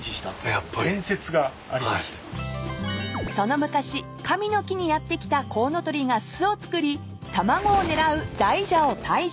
［その昔神の木にやって来たコウノトリが巣を作り卵を狙う大蛇を退治］